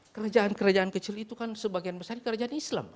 kerajaan kerajaan kecil itu kan sebagian besar kerajaan islam